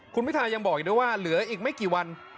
คุณพิทายังบอกอีกด้วยว่าเหลืออีกไม่กี่วัน